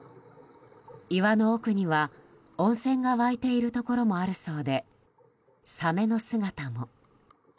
岩の奥には、温泉が湧いているところもあるそうでサメの姿も。